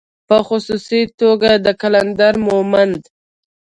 په خصوصي توګه د قلندر مومند